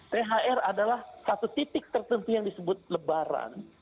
thr adalah satu titik tertentu yang disebut lebaran